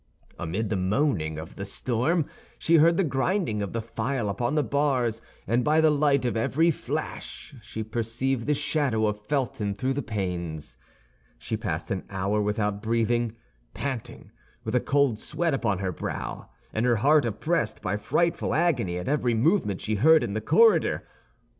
Amid the moaning of the storm she heard the grinding of the file upon the bars, and by the light of every flash she perceived the shadow of Felton through the panes. She passed an hour without breathing, panting, with a cold sweat upon her brow, and her heart oppressed by frightful agony at every movement she heard in the corridor.